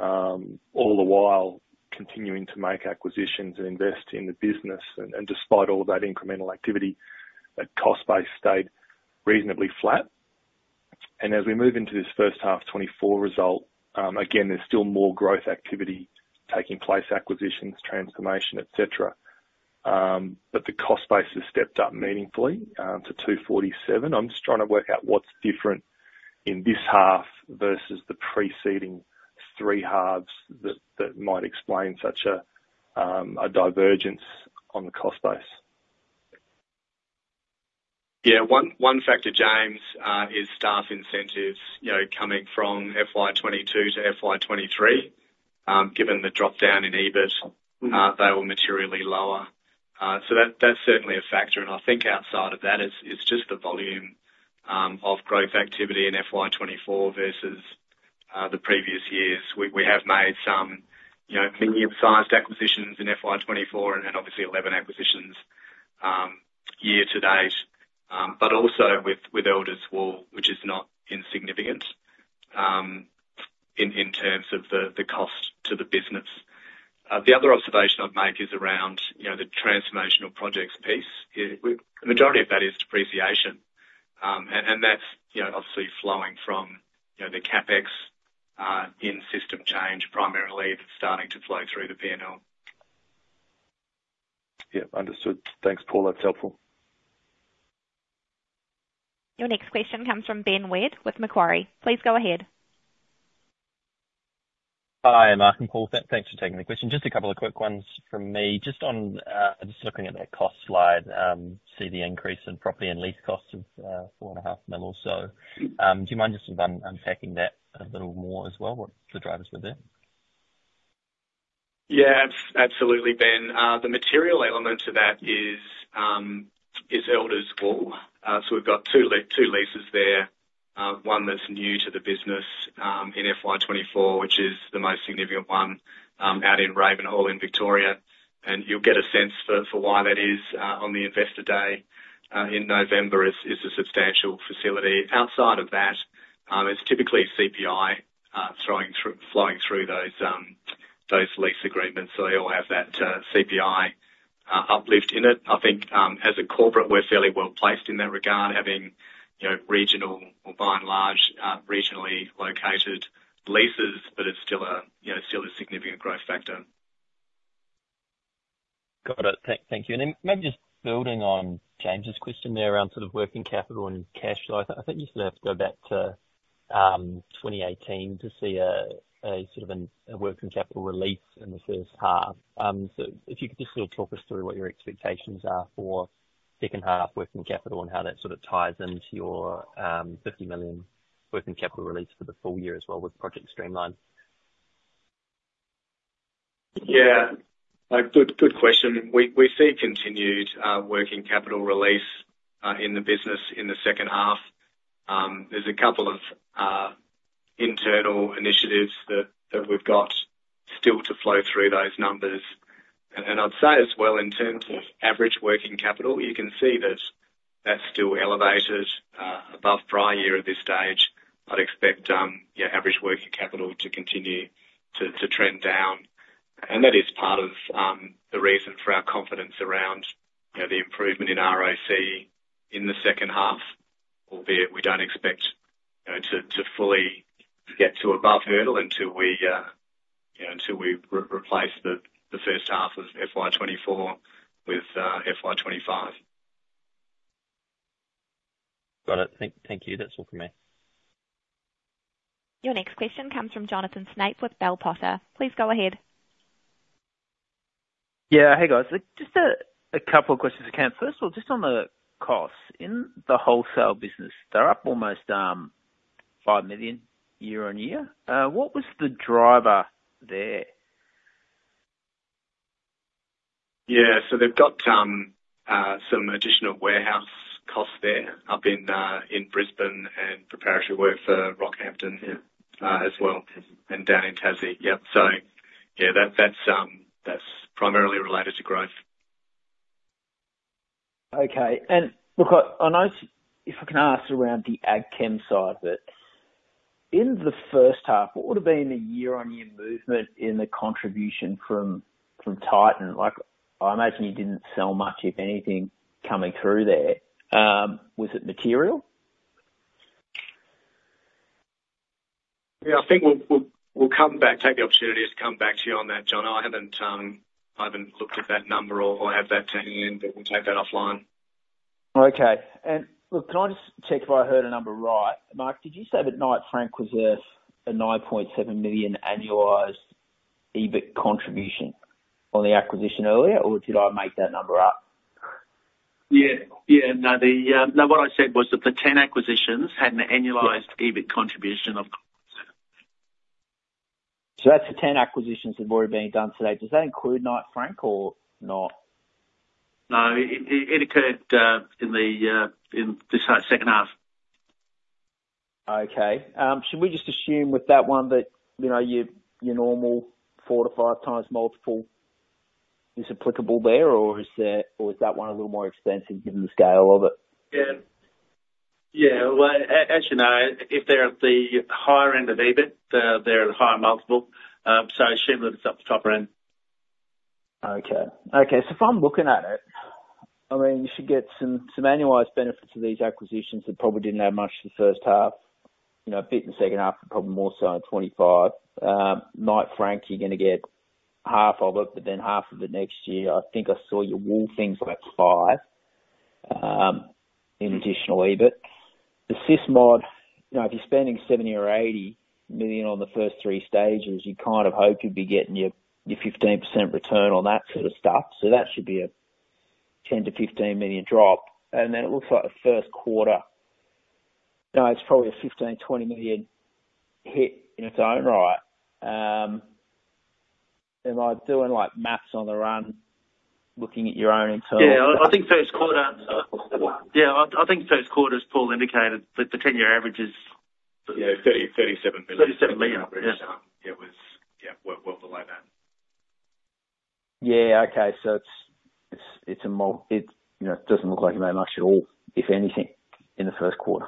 all the while continuing to make acquisitions and invest in the business. And despite all of that incremental activity, that cost base stayed reasonably flat. And as we move into this first half of 2024 result, again, there's still more growth activity taking place, acquisitions, transformation, et cetera. But the cost base has stepped up meaningfully to 247. I'm just trying to work out what's different in this half versus the preceding three halves that might explain such a divergence on the cost base. Yeah. One factor, James, is staff incentives, you know, coming from FY 2022 to FY 2023. Given the dropdown in EBIT, they were materially lower. So that's certainly a factor, and I think outside of that, it's just the volume of growth activity in FY 2024 versus the previous years. We have made some, you know, medium-sized acquisitions in FY 2024 and obviously 11 acquisitions year to date, but also with Elders Wool, which is not insignificant in terms of the cost to the business. The other observation I'd make is around, you know, the transformational projects piece. The majority of that is depreciation, and that's, you know, obviously flowing from the CapEx in system change, primarily, that's starting to flow through the P&L. Yeah, understood. Thanks, Paul. That's helpful. Your next question comes from Ben Way with Macquarie. Please go ahead. Hi, Mark and Paul, thanks for taking the question. Just a couple of quick ones from me. Just on, just looking at that cost slide, see the increase in property and lease costs of 4.5 million or so. Do you mind just unpacking that a little more as well, what the drivers were there? Yeah, absolutely, Ben. The material element to that is, is Elders Wool. So we've got two leases there, one that's new to the business, in FY 2024, which is the most significant one, out in Ravenhall in Victoria. And you'll get a sense for, for why that is, on the Investor Day, in November. It's, it's a substantial facility. Outside of that, it's typically CPI, flowing through those, those lease agreements, so they all have that, CPI, uplift in it. I think, as a corporate, we're fairly well placed in that regard, having, you know, regional or by and large, regionally located leases, but it's still a, you know, still a significant growth factor. Got it. Thank you. And then maybe just building on James' question there around sort of working capital and cash flow. I think you still have to go back to 2018 to see a sort of working capital release in the first half. So if you could just sort of talk us through what your expectations are for second half working capital and how that sort of ties into your 50 million working capital release for the full year as well with Project Streamline. Yeah. Good, good question. We see continued working capital release in the business in the second half. There's a couple of internal initiatives that we've got still to flow through those numbers. And I'd say as well, in terms of average working capital, you can see that that's still elevated above prior year at this stage. I'd expect, yeah, average working capital to continue to trend down. And that is part of the reason for our confidence around, you know, the improvement in ROC in the second half, albeit we don't expect, you know, to fully get to above hurdle until we, you know, until we replace the first half of FY 2024 with FY 2025. Got it. Thank you. That's all from me. Your next question comes from Jonathan Snape with Bell Potter. Please go ahead. Yeah. Hey, guys. Just a couple of questions again. First of all, just on the costs in the wholesale business, they're up almost 5 million year-on-year. What was the driver there? Yeah, so they've got some additional warehouse costs there up in Brisbane and preparatory work for Rockhampton, yeah, as well, and down in Tassie. Yep, so yeah, that's primarily related to growth. Okay. And look, I notice... If I can ask around the ag chem side a bit. In the first half, what would have been the year-on-year movement in the contribution from Titan? Like, I imagine you didn't sell much, if anything, coming through there. Was it material? Yeah, I think we'll come back, take the opportunity to come back to you on that, John. I haven't looked at that number or have that to hand, but we'll take that offline. Okay. Look, can I just check if I heard a number right? Mark, did you say that Knight Frank was a 9.7 million annualized EBIT contribution on the acquisition earlier, or did I make that number up? Yeah. Yeah, no, the, no, what I said was that the 10 acquisitions had an annualized EBIT contribution of- That's the 10 acquisitions that have already been done today. Does that include Knight Frank or not? No, it occurred in this second half. Okay. Should we just assume with that one that, you know, your, your normal 4-5x multiple is applicable there, or is there, or is that one a little more expensive given the scale of it? Yeah. Yeah, well, as you know, if they're at the higher end of EBIT, they're at a higher multiple. So assume that it's at the top end. Okay. Okay, so if I'm looking at it, I mean, you should get some annualized benefits of these acquisitions that probably didn't have much the first half, you know, a bit in the second half, but probably more so in 2025. Knight Frank, you're gonna get half of it, but then half of it next year. I think I saw your wool things about 5 in additional EBIT. The SysMod, you know, if you're spending 70 million or 80 million on the first three stages, you kind of hope you'd be getting your 15% return on that sort of stuff. So that should be a 10 million-15 million drop, and then it looks like the first quarter. No, it's probably a 15 million-20 million hit in its own right. Am I doing, like, math on the run, looking at your own internal- Yeah, I think first quarter, as Paul indicated, the 10-year average is- Yeah, 37 million. 37 million. Yeah, it was, yeah, well, well below that. Yeah, okay. So it, you know, doesn't look like you made much at all, if anything, in the first quarter.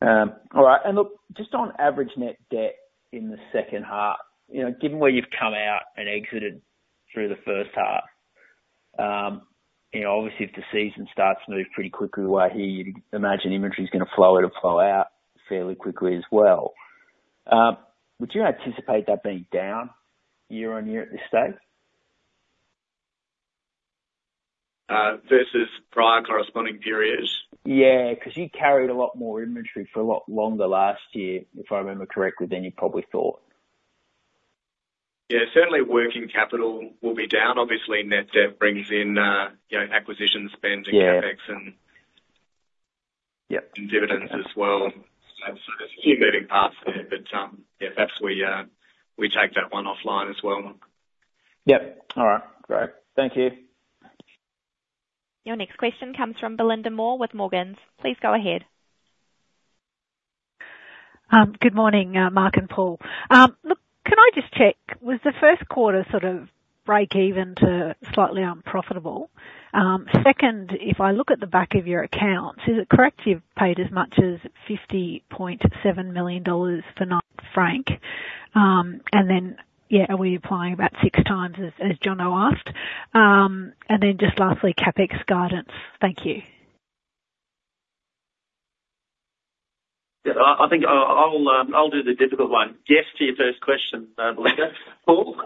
All right, and look, just on average net debt in the second half, you know, given where you've come out and exited through the first half, you know, obviously, if the season starts to move pretty quickly the way here, you'd imagine inventory's gonna flow in and flow out fairly quickly as well. Would you anticipate that being down year-on-year at this stage? Versus prior corresponding periods? Yeah, 'cause you carried a lot more inventory for a lot longer last year, if I remember correctly, than you probably thought. Yeah, certainly working capital will be down. Obviously, net debt brings in, you know, acquisition spend and- Yeah. CapEx and dividends as well. So there's a few moving parts there, but, yeah, perhaps we take that one offline as well. Yep. All right, great. Thank you. Your next question comes from Belinda Moore with Morgans. Please go ahead. Good morning, Mark and Paul. Look, can I just check, was the first quarter sort of break even to slightly unprofitable? Second, if I look at the back of your accounts, is it correct you've paid as much as 50.7 million dollars for Knight Frank? And then, yeah, are we applying about 6x, as, as Jon asked? And then just lastly, CapEx guidance. Thank you. Yeah, I think I'll do the difficult one. Yes, to your first question, Belinda. Paul?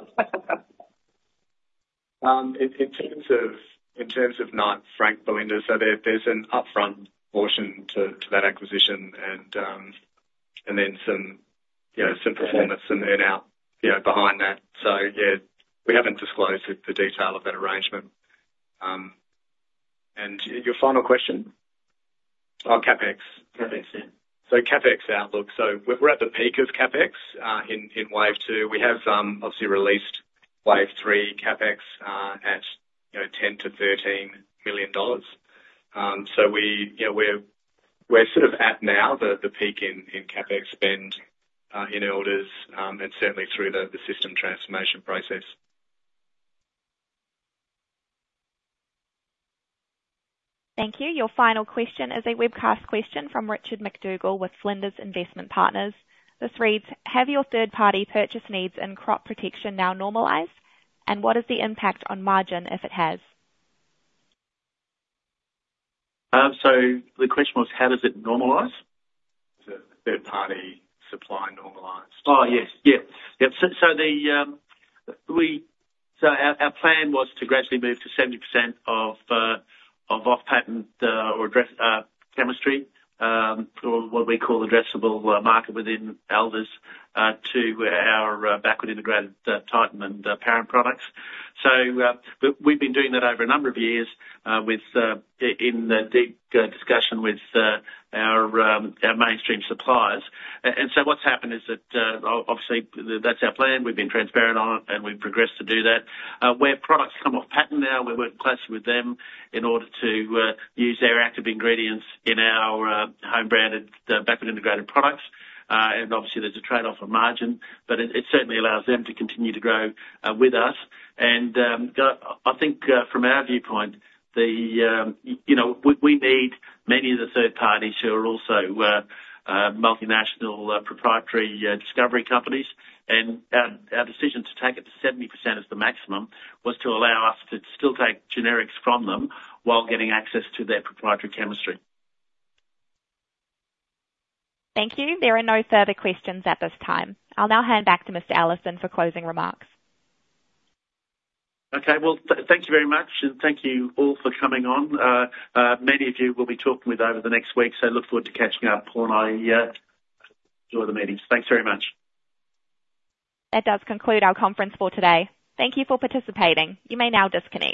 In terms of Knight Frank, Belinda, so there's an upfront portion to that acquisition and then some, you know, some performance from there now, you know, behind that. So yeah, we haven't disclosed the detail of that arrangement. And your final question? Oh, CapEx. CapEx, yeah. So CapEx outlook. So we're at the peak of CapEx in wave two. We have obviously released wave three CapEx at you know, 10 million-13 million dollars. So we you know, we're sort of at now the peak in CapEx spend in Elders and certainly through the system transformation process. Thank you. Your final question is a webcast question from Richard McDougall with Flinders Investment Partners. This reads: Have your third-party purchase needs and crop protection now normalized, and what is the impact on margin, if it has? The question was, how does it normalize? The third-party supply normalized. Oh, yes, yes. Yeah, so our plan was to gradually move to 70% of off-patent or address chemistry or what we call addressable market within Elders to our backward integrated Titan and own products. So, but we've been doing that over a number of years with, in discussion with, our mainstream suppliers. And so what's happened is that, obviously, that's our plan. We've been transparent on it, and we've progressed to do that. Where products come off-patent now, we work closely with them in order to use their active ingredients in our home branded backward integrated products. And obviously, there's a trade-off on margin, but it certainly allows them to continue to grow with us. And I think from our viewpoint, you know, we need many of the third parties who are also multinational proprietary discovery companies. And our decision to take it to 70% as the maximum was to allow us to still take generics from them, while getting access to their proprietary chemistry. Thank you. There are no further questions at this time. I'll now hand back to Mr. Allison for closing remarks. Okay. Well, thank you very much, and thank you all for coming on. Many of you we'll be talking with over the next week, so look forward to catching up. Paul and I enjoy the meetings. Thanks very much. That does conclude our conference for today. Thank you for participating. You may now disconnect.